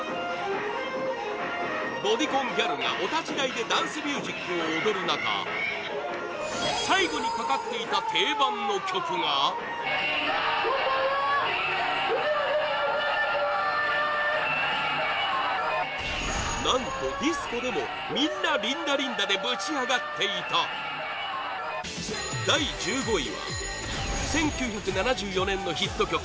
ボディコンギャルがお立ち台でダンスミュージックを踊る中最後にかかっていた定番の曲が何と、ディスコでもみんな「リンダリンダ」でぶちアガっていた第１５位は１９７４年のヒット曲